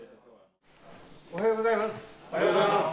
おはようございます。